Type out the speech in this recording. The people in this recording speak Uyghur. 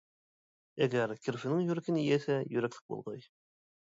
ئەگەر كىرپىنىڭ يۈرىكىنى يېسە يۈرەكلىك بولغاي.